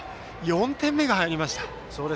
４点目が入りました。